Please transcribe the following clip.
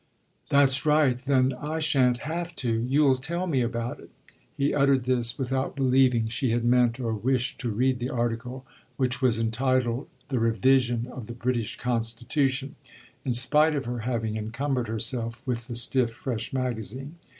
"That's right; then I shan't have to. You'll tell me about it." He uttered this without believing she had meant or wished to read the article, which was entitled "The Revision of the British Constitution," in spite of her having encumbered herself with the stiff, fresh magazine.